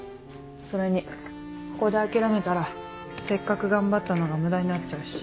それにここで諦めたらせっかく頑張ったのが無駄になっちゃうし。